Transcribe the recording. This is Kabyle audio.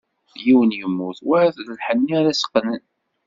Yiwen yemmut, wayeḍ d lḥenni ara s-qqnen.